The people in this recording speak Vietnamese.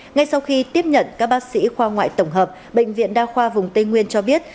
ngay sau khi tiếp nhận các bác sĩ khoa ngoại tổng hợp bệnh viện đa khoa vùng tây nguyên cho biết